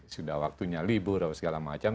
sudah waktunya libur atau segala macam